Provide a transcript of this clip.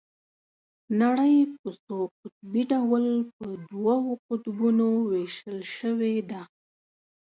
نړۍ په څو قطبي ډول په دوو قطبونو ويشل شوې ده.